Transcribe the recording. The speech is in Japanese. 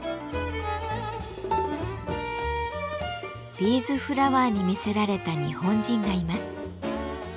ビーズフラワーに魅せられた日本人がいます。